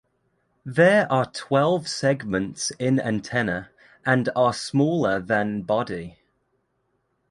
There are twelve segments in antenna and are smaller than body.